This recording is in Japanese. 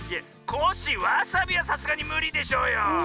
コッシーわさびはさすがにむりでしょうよ。